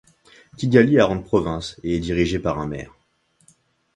Kigali a rang de province et est dirigée par un maire.